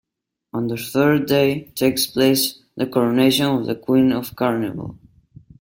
On the third day takes place the coronation of the Queen of Carnival.